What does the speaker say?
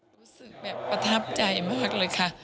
รู้สึกแบบประทับใจมากเลยค่ะ